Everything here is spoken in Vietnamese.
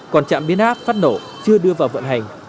còn trạm biến áp phát nổ chưa đưa vào vận hành